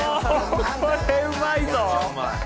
これうまいぞ！